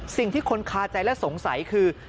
สิ่งที่คนคาใจและสงสัยคือ